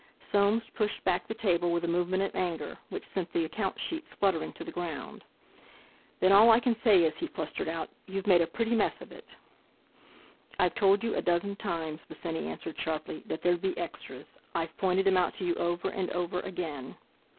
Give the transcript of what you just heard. Soames pushed back the table with a movement of anger, which sent the account sheets fluttering to the ground. "Then all I can say is," he flustered out, "you've made a pretty mess of it!" "I've told you a dozen times," Bosinney answered sharply, "that there'd be extras. I've pointed them out to you over and over again!"